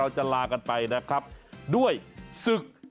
กลับมาถึงภารกิจขึ้น